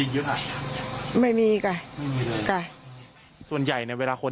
ยากันยุงก็มีค่ะ